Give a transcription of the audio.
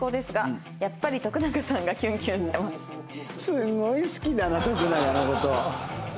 すごい好きだな徳永の事。